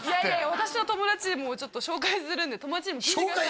私の友達紹介するんで友達にも聞いてください